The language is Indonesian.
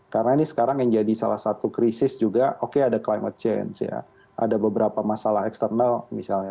karena ini sekarang yang jadi salah satu krisis juga oke ada climate change ada beberapa masalah eksternal misalnya